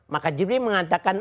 maka jibril mengatakan